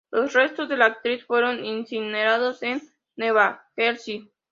Los restos de la actriz fueron incinerados en Nueva Jersey.